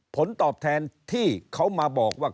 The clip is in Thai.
ผลตอบแทนที่เขามาบอกว่า